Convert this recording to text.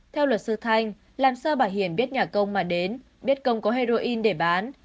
theo luật sư thanh làm sao bà hiền biết nhà công mà đến biết công có heroin để bán